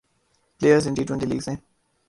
players in T twenty leagues نے